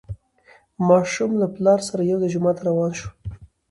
ماشوم له پلار سره یو ځای جومات ته روان شو